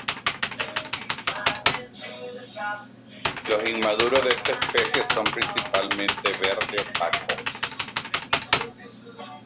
Los inmaduros de esta especie son principalmente verde opaco.